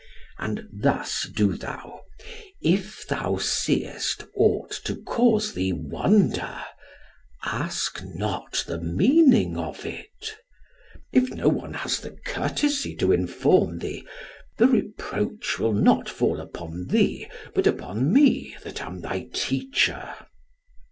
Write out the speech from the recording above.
And thus do thou. If thou seest aught to cause thee wonder, ask not the meaning of it; if no one has the courtesy to inform thee, the reproach will not fall upon thee, but upon me that am thy teacher."